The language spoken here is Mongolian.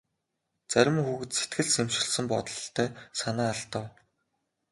Зарим хүүхэд сэтгэл шимширсэн бололтой санаа алдав.